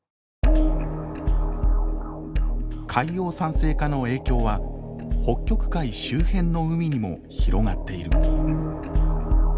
海洋酸性化の影響は北極海周辺の海にも広がっている。